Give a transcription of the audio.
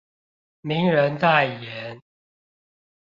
名人代言